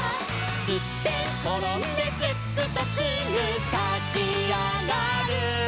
「すってんころんですっくとすぐたちあがる」